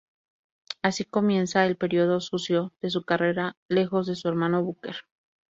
Así comienza el período "sucio" de su carrera, lejos de su hermano Booker.